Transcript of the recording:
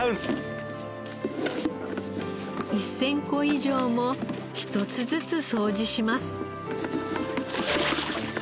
１０００個以上も１つずつ掃除します。